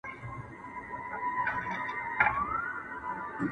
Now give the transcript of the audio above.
چي « غلي انقلاب » ته یې زلمي هوښیاروله!.